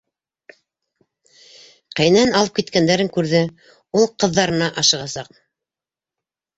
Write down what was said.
Ҡәйнәһен алып киткәндәрен күрҙе, ул ҡыҙҙарына ашығасаҡ.